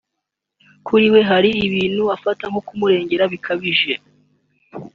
kuri we hari ibintu afata nko kumurengera bikabije